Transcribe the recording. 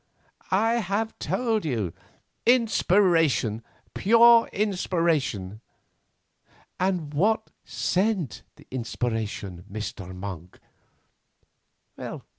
"I have told you, inspiration, pure inspiration." "And what sent the inspiration, Mr. Monk?"